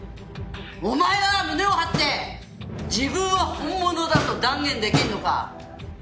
お前は胸を張って自分は本物だと断言できるのか？